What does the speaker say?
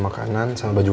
seolah dia panggung